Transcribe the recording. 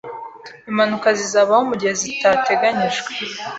Impanuka zizabaho mugihe zitateganijwe